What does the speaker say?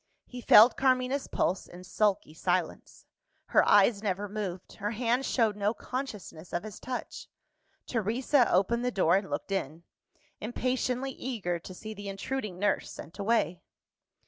He felt Carmina's pulse, in sulky silence. Her eyes never moved; her hand showed no consciousness of his touch. Teresa opened the door, and looked in impatiently eager to see the intruding nurse sent away.